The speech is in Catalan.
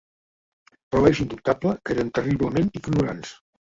Però és indubtable que eren terriblement ignorants